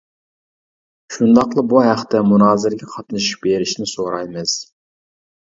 شۇنداقلا بۇ ھەقتە مۇنازىرىگە قاتنىشىپ بېرىشىنى سورايمىز.